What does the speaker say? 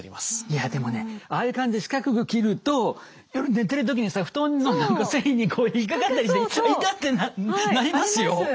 いやでもねああいう感じで四角く切ると夜寝てる時にさ布団の何か繊維に引っ掛かったりして「あっ痛！」ってなりますよ。